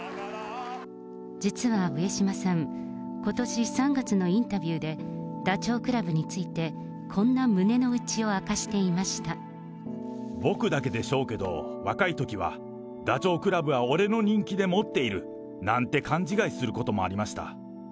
実は上島さん、ことし３月のインタビューで、ダチョウ倶楽部について、こんな胸の内を明かしてい僕だけでしょうけど、若いときは、ダチョウ倶楽部は俺の人気でもっているなんて勘違いすることもありました。